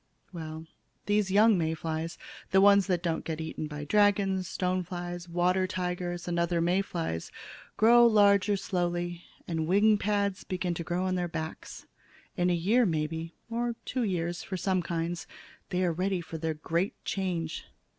"Well, these young May flies the ones that don't get eaten by dragons, stone flies, water tigers, and other May flies grow larger slowly, and wing pads begin to grow on their backs. In a year, maybe, or two years for some kinds, they are ready for their great change.